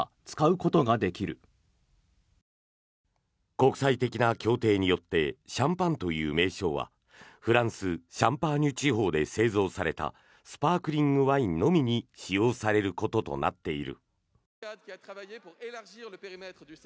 国際的な協定によってシャンパンという名称はフランス・シャンパーニュ地方で製造されたスパークリングワインのみに使用されることとなっている。